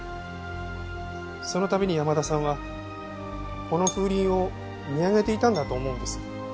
その度に山田さんはこの風鈴を見上げていたんだと思うんです。